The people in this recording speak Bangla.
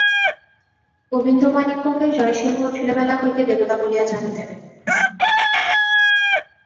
গোবিন্দমাণিক্যকে জয়সিংহ ছেলেবেলা হইতে দেবতা বলিয়া জানিতেন।